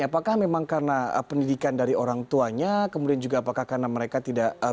apakah memang karena pendidikan dari orang tuanya kemudian juga apakah karena mereka tidak